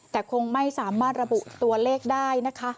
แต่คงไม่สามารถระบุตัวเลขได้นะคะ